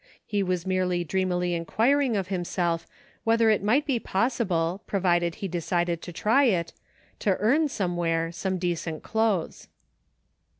He was merely dreamily inquiring of himself whether it might be possible, provided he decided to try it, to earn, somewhere, some decent clothes.